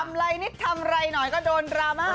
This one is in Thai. อะไรนิดทำอะไรหน่อยก็โดนดราม่า